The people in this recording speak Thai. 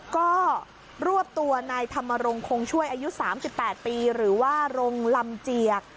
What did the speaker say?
ก็รวบตัวนายธรรมรงคงช่วยอายุ๓๘ปีหรือว่ารงลำเจียก